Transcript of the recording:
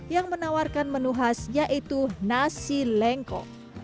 yang menawarkan menu khas yaitu nasi lengko